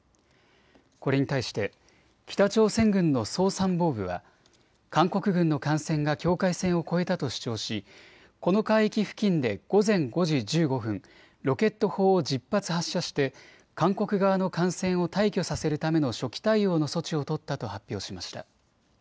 これに対して北朝鮮軍の総参謀部は韓国軍の艦船が境界線を越えたと主張しこの海域付近で午前５時１５分、ロケット砲を１０発発射して韓国側の艦船を退去させるための初期対応の措置を取ったと発表しました。